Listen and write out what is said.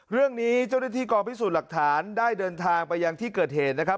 เรื่องนี้เจ้าหน้าที่กองพิสูจน์หลักฐานได้เดินทางไปยังที่เกิดเหตุนะครับ